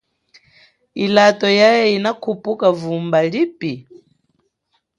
Ilato yeye inakhupuka vumba lipi.